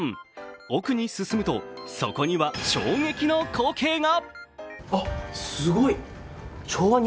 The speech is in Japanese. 奥に進むとそこには衝撃の光景が。